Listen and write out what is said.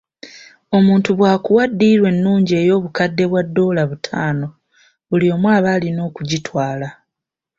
Omuntu bw'akuwa ddiiru ennungi ey'obukadde bwa ddoola butaano, buli omu aba alina okugitwala.